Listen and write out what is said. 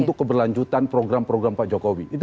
untuk keberlanjutan program program pak jokowi